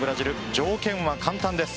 条件は簡単です。